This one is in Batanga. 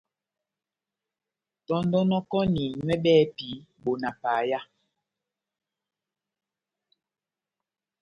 Tɔndonokɔni nywɛ bɛhɛpi bona paya.